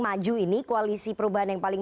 maju ini koalisi perubahan yang paling